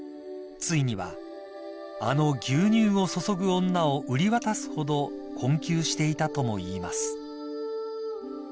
［ついにはあの『牛乳を注ぐ女』を売り渡すほど困窮していたともいいます］